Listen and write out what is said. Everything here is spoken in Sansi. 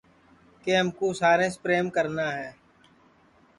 کہ ہم کُو ساریںٚس پریم کرنا ہے